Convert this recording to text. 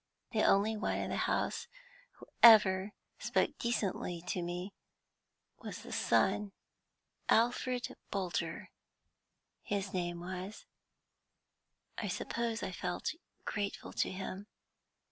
The only one in the house who ever spoke decently to me was the son Alfred Bolter, his name was. I suppose I felt grateful to him.